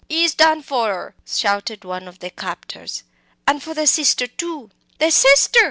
"Ee's done for her!" shouted one of the captors; "an' for the Sister too!" "The Sister!"